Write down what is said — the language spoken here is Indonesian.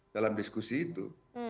dalam diskusi itu